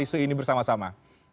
isu ini bersama sama